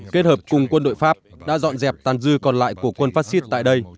kết hợp cùng quân đội pháp đã dọn dẹp tàn dư còn lại của quân phát xít tại đây